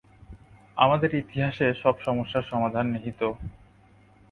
আমাদের ইতিহাসে সব সমস্যার সমাধান নিহিত।